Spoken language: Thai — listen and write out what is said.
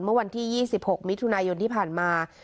เมื่อวันที่๒๖มิถุนายนที่ผ่านมา